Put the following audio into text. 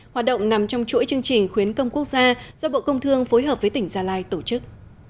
hoạt động nằm trong chuỗi chương trình khuyến công quốc gia do bộ công thương phối hợp với tỉnh gia lai tổ chức